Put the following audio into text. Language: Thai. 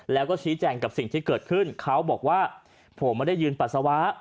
แล้วก็ชี้แจงกับสิ่งที่เกิดขึ้นเขาบอกว่าผมไม่ได้ยืนปัสสาวะ